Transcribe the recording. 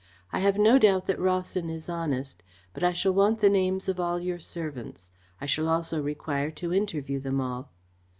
"I have no doubt that Rawson is honest, but I shall want the names of all your servants. I shall also require to interview them all."